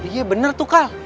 iya bener tuh kel